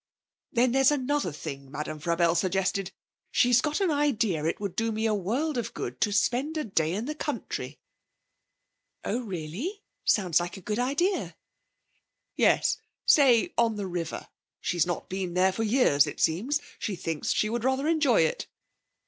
'Then there's another thing Madame Frabelle suggested. She's got an idea it would do me a world of good to spend a day in the country.' 'Oh, really? Sounds a good idea.' 'Yes. Say, on the river. She's not been there for years it seems. She thinks she would rather enjoy it.'